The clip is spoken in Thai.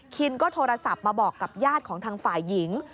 คินก็โทรศัพท์มาบอกกับญาติของทางฝ่ายหญิง